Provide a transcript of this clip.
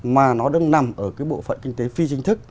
mà nó đang nằm ở cái bộ phận kinh tế phi chính thức